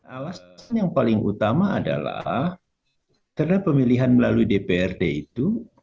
alasan yang paling utama adalah karena pemilihan melalui dprd itu